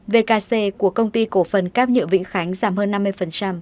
vkc của công ty cổ phần cáp nhựa vĩnh khánh giảm hơn năm mươi